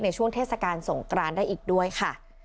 ช่วงเทศกาลสงกรานได้อีกด้วยค่ะ